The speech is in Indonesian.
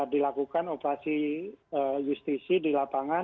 dilakukan operasi justisi di lapangan